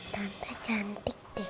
tante cantik deh